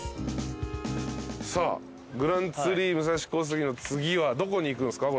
さあグランツリー武蔵小杉の次はどこに行くんすか？